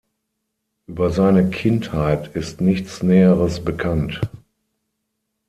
Über seine Kindheit ist nichts Näheres bekannt.